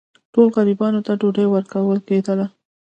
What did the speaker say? ټولو غریبانو ته ډوډۍ ورکول کېدله.